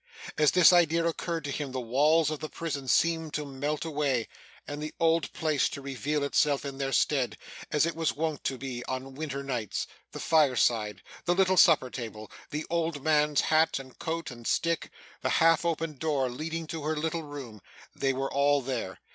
As this idea occurred to him, the walls of the prison seemed to melt away, and the old place to reveal itself in their stead, as it was wont to be on winter nights the fireside, the little supper table, the old man's hat, and coat, and stick the half opened door, leading to her little room they were all there.